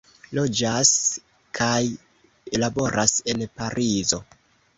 Loĝas kaj laboras en Parizo.